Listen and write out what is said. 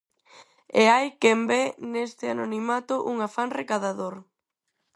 E hai quen ve neste anonimato un afán recadador.